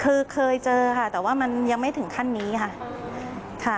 คือเคยเจอค่ะแต่ว่ามันยังไม่ถึงขั้นนี้ค่ะ